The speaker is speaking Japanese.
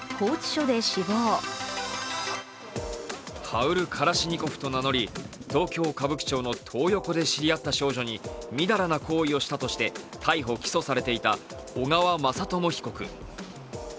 ハウル・カラシニコフと名乗り東京・歌舞伎町のトー横で知り合った少女にみだらな行為をしたとして、逮捕・起訴されていた小川雅朝被告。